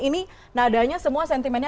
ini nadanya semua sentimennya